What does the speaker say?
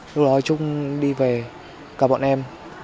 lúc đó trúc đi về gặp bọn em